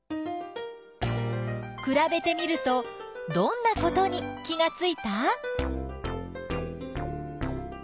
くらべてみるとどんなことに気がついた？